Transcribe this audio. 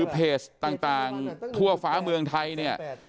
เพจต่างทั่วฝาเมืองไทย